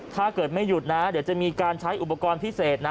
ถ้าเกิดไม่หยุดนะเดี๋ยวจะมีการใช้อุปกรณ์พิเศษนะ